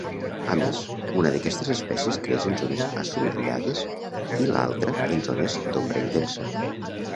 A més, una d'aquestes espècies creix en zones assolellades i l'altra en zones d'ombra intensa.